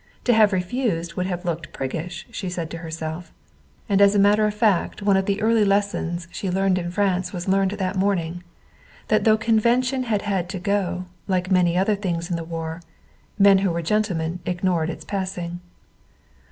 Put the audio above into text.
To have refused would have looked priggish, she said to herself. And as a matter of fact one of the early lessons she learned in France was learned that morning that though convention had had to go, like many other things in the war, men who were gentlemen ignored its passing.